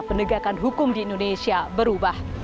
penegakan hukum di indonesia berubah